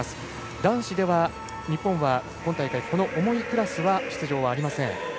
男子では日本は今大会この重いクラスは出場ありません。